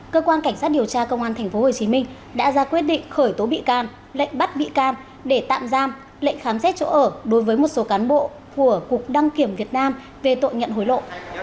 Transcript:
cơ quan cảnh sát điều tra công an tp hcm đã ra quyết định khởi tố bị can lệnh bắt bị can để tạm giam lệnh khám xét chỗ ở đối với một số cán bộ của cục đăng kiểm việt nam về tội nhận hối lộ